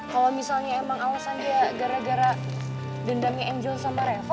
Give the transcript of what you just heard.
kalau misalnya emang alesannya gara gara dendamnya angel sama reva